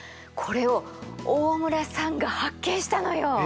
これを大村さんが発見したのよ！